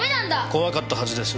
怖かったはずです。